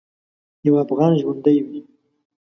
یو افغان ژوندی وي.